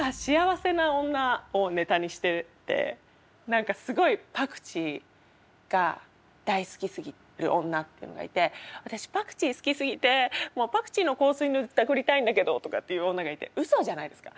何かすごいパクチーが大好きすぎる女というのがいて「私パクチー好きすぎてもうパクチーの香水塗りたくりたいんだけど」とかっていう女がいてうそじゃないですか。